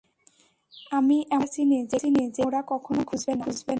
আমি এমন জায়গা চিনি, যেখানে ওরা কখনো খুঁজবে না।